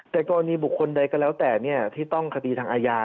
แต่กรณีบุคคลใดก็แล้วแต่ที่ต้องคดีทางอาญา